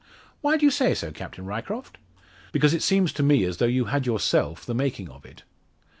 "Why do you say so, Captain Ryecroft?" "Because it seems to me, as though you had yourself the making of it."